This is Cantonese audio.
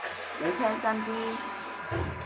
你聽真啲！